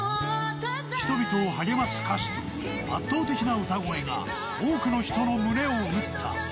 人々を励ます歌詞と圧倒的な歌声が多くの人の胸を打った。